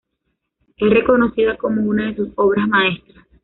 Es reconocida como una de sus obras maestras.